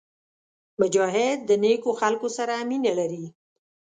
مجاهد د نیکو خلکو سره مینه لري.